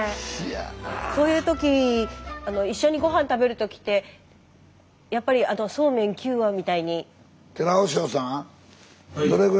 そういう時一緒にご飯食べる時ってやっぱりそうめん９把みたいに。